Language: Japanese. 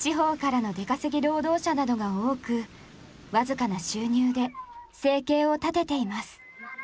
地方からの出稼ぎ労働者などが多く僅かな収入で生計を立てています。